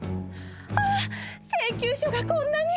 『あっ請求書がこんなに！